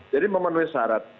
jadi memenuhi syarat